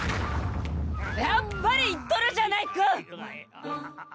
やっぱり言っとるじゃないか！